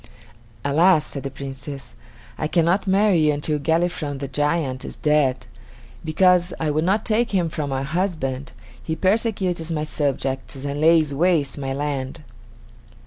"Alas!" said the Princess, "I cannot marry until Galifron, the giant, is dead. Because I would not take him for my husband, he persecutes my subjects and lays waste my land."